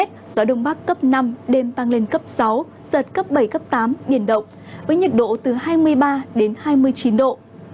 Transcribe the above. gió đông bắc cấp năm đêm tăng lên cấp sáu giật cấp bảy cấp tám biển động với nhiệt độ từ hai mươi ba đến hai mươi chín độ